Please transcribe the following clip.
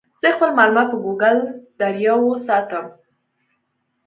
زه خپل معلومات په ګوګل ډرایو ساتم.